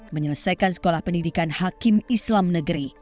menyelesaikan sekolah pendidikan hakim islam negeri